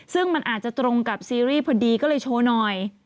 ซึ่งมันอาจจะตรงกับซีรีส์พอดีก็เลยโชว์หน่อย